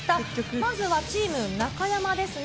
まずはチーム中山ですね。